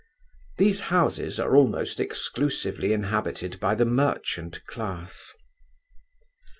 These houses are almost exclusively inhabited by the merchant class.